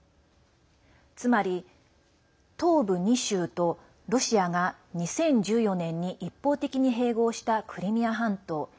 つまり、東部２州とロシアが２０１４年に一方的に併合したクリミア半島。